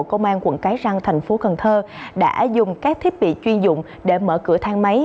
công an quận cái răng thành phố cần thơ đã dùng các thiết bị chuyên dụng để mở cửa thang máy